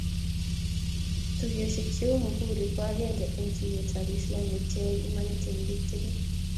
Tuiyosiek cheu muhuri ko agenge eng tuiyetab waislamiek cheyaei imanit eng bik tuguk